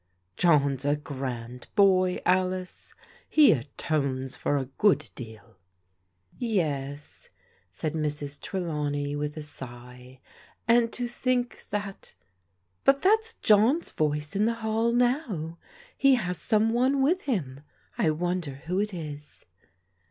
"John's a grand boy, Alice. He atones for a good deal." "Yes," said Mrs. Trelawney with a sigh, "and to think that — but that's John's voice in the hall now. He has some one with him. I wonder who it is?"